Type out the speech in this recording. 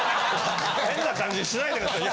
変な感じにしないで下さい。